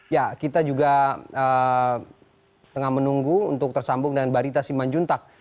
ya kita juga tengah menunggu untuk tersambung dengan barita simanjuntak